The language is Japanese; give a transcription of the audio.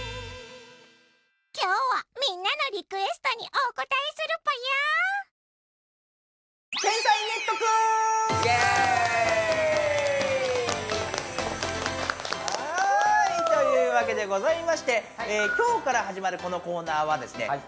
今日はみんなのリクエストにお応えするぽよ！というわけでございまして今日から始まるこのコーナーはですね